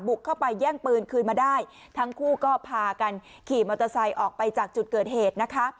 เข้าไปแย่งปืนคืนมาได้ทั้งคู่ก็พากันขี่มอเตอร์ไซค์ออกไปจากจุดเกิดเหตุนะคะ